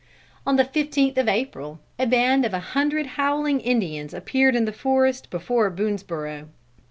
On the fifteenth of April, a band of a hundred howling Indians appeared in the forest before Boonesborough.